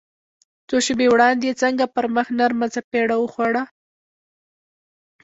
څو شېبې وړاندې يې څنګه پر مخ نرمه څپېړه وخوړه.